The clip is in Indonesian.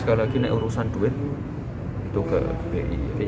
sekali lagi ini urusan duit untuk bi